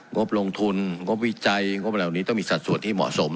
งบลงทุนงบวิจัยงบเหล่านี้ต้องมีสัดส่วนที่เหมาะสม